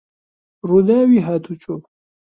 ڕووداوی هاتووچۆ